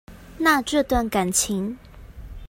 那這段感情